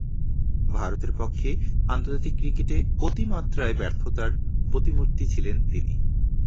ভারতের পক্ষে আন্তর্জাতিক ক্রিকেটে অতিমাত্রায় ব্যর্থতার প্রতিমূর্তি ছিলেন তিনি।